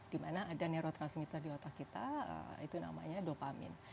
dimana ada neurotransmitter di otak kita itu namanya dopamin